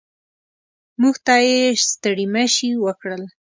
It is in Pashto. موږ ته یې ستړي مه شي وکړل.